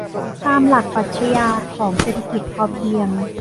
ตามหลักปรัชญาของเศรษฐกิจพอเพียง